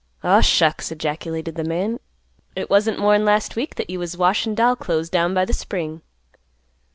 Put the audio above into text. "O shucks!" ejaculated the man. "It wasn't more'n last week that you was washin' doll clothes, down by the spring."